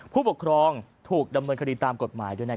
ผู้ปกครองถูกดำเนินคดีตามกฎหมายด้วย